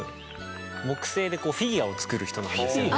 木製でフィギュアを作る人なんですよね。